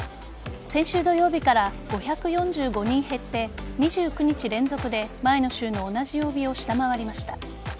先週土曜日から５４５人減って２９日連続で前の週の同じ曜日を下回りました。